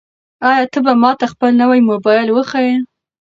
آیا ته به ماته خپل نوی موبایل وښایې؟